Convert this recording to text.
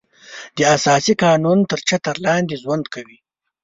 د اساسي قانون تر چتر لاندې ژوند کوي.